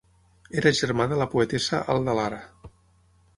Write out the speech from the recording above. Era germà de la poetessa Alda Lara.